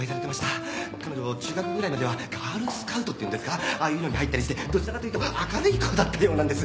彼女中学ぐらいまではガールスカウトっていうんですかああいうのに入ったりしてどちらかと言うと明るい子だったようなんです。